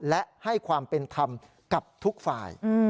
และให้ความเป็นธรรมกับทุกฝ่าย